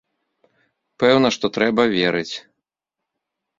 Пэўна, што трэба верыць.